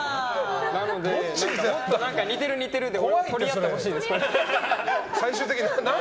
なので、もっと似てる似てるって取り合ってほしいです。